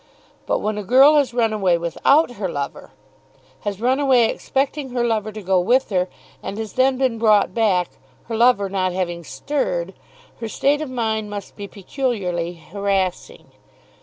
But when a girl has run away without her lover, has run away expecting her lover to go with her, and has then been brought back, her lover not having stirred, her state of mind must be peculiarly harassing.